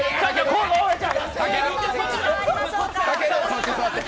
こっち座って。